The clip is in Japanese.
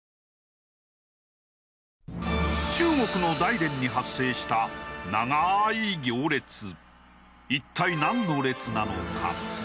中国の大連に発生した一体なんの列なのか？